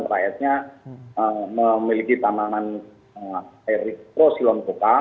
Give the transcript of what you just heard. rakyatnya memiliki tanaman air mikro silom koka